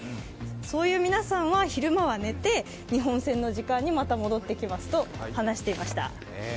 そういう皆さんは昼間は寝て日本戦のときにまた戻ってきますと話していました。